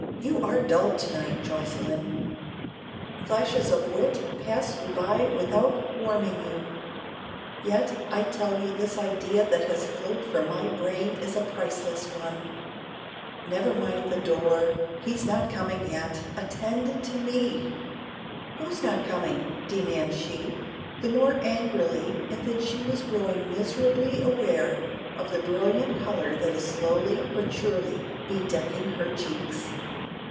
You are dull to night, Jocelyne. Flashes of wit pass you by without warming you. Yet I tell you this idea that has flowed from my brain is a priceless one. Never mind the door he's not coming yet. Attend to me." "Who's not coming?" demands she, the more angrily in that she is growing miserably aware of the brilliant color that is slowly but surely bedecking her cheeks.